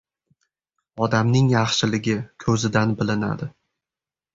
• Odamning yaxshiligi ko‘zidan bilinadi.